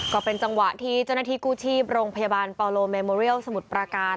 ก็เป็นจังหวะที่เจ้าหน้าที่กู้ชีพโรงพยาบาลปาโลเมโมเรียลสมุทรปราการ